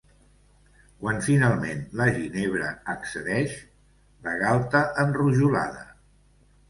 Quan, finalment, la Ginebra accedeix: “La galta enrojolada.